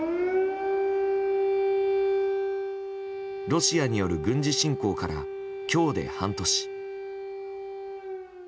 ロシアによる軍事侵攻から今日で半年。